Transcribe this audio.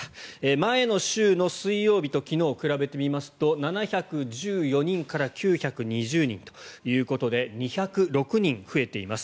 前の週の水曜日と昨日を比べてみると７１４人から９２０人ということで２０６人増えています。